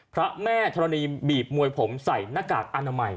พระแม่ธรณีบีบมวยผมใส่หน้ากากอนามัย